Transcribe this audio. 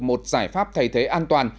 một giải pháp thay thế an toàn